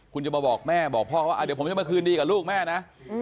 คุณจะมาบอกแม่บอกพ่อเขาว่าเดี๋ยวผมจะมาคืนดีกับลูกแม่นะ